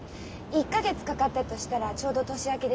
１か月かかったとしたらちょうど年明けでしょう？